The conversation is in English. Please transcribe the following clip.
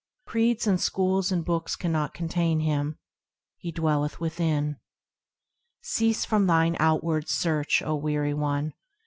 Creeds and schools and books cannot contain Him, He dwelleth within. Cease from thine outward search, O weary one!